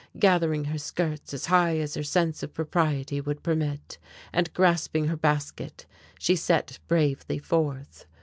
Gathering her skirts as high as her sense of propriety would permit, and grasping her basket she set bravely forth.